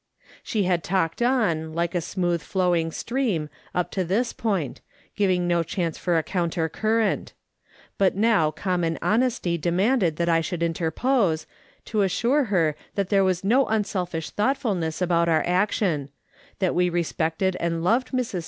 She had talked on, like a smooth flowing stream, np to this point, giving no chance for a counter current ; but now common honesty dem.anded that I should interpose, to assure her that there was no unselfish thoughtfulness about our action ; that we respected and loved Mvs.